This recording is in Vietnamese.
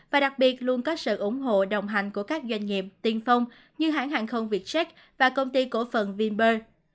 và đặc biệt luôn có sự ủng hộ đồng hành của các doanh nghiệp tiên phong như hãng hàng không vietjet và công ty cổ phần vinber